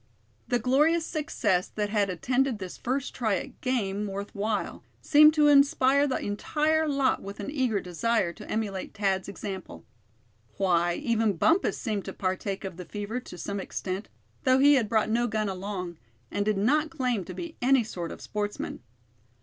The glorious success that had attended this first try at game worth while, seemed to inspire the entire lot with an eager desire to emulate Thad's example. Why, even Bumpus seemed to partake of the fever to some extent, though he had brought no gun along, and did not claim to be any sort of sportsman.